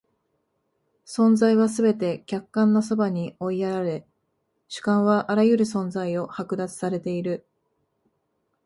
存在はすべて客観の側に追いやられ、主観はあらゆる存在を剥奪されている。